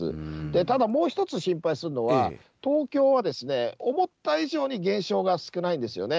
ただもう１つ心配するのは、東京は思った以上に減少が少ないんですよね。